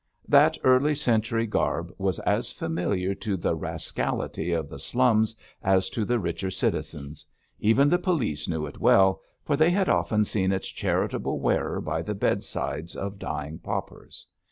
That early century garb was as familiar to the rascality of the slums as to the richer citizens; even the police knew it well, for they had often seen its charitable wearer by the bedsides of dying paupers.